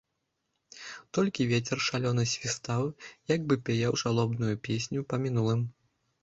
Толькі вецер шалёны свістаў, як бы пяяў жалобную песню па мінулым.